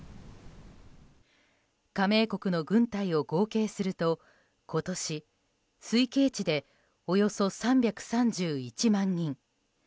加盟国の軍隊を合計すると今年、推計値でおよそ３３１万人。